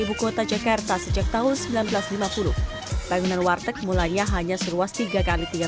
ibukota jakarta sejak tahun seribu sembilan ratus lima puluh tanggungan warteg mulanya hanya seluas tiga kali tiga